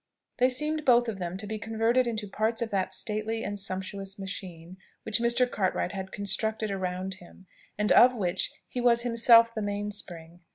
They seemed both of them to be converted into parts of that stately and sumptuous machine which Mr. Cartwright had constructed around him, and of which he was himself the main spring.